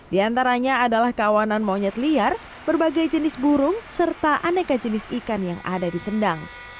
di antaranya adalah kawanan monyet liar berbagai jenis burung serta aneka jenis ikan yang ada di sendang